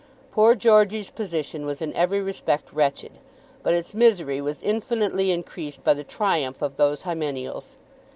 Poor Georgey's position was in every respect wretched, but its misery was infinitely increased by the triumph of those hymeneals.